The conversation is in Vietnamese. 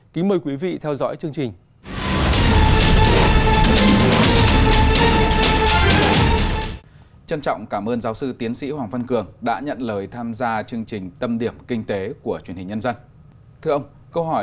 kính mời quý vị theo dõi chương trình